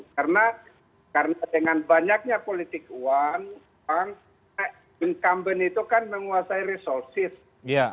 karena dengan banyaknya politik uang bank bank company itu kan menguasai resursi